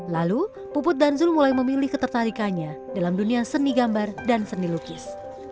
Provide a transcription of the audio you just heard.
lalu puput dan zul mulai memilih ketertarikannya dalam dunia seni gambar dan seni lukis